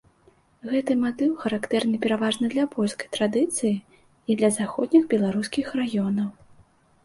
Гэты матыў характэрны пераважна для польскай традыцыі і для заходніх беларускіх раёнаў.